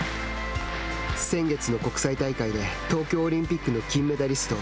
先月の国際大会で東京オリンピックの金メダリスト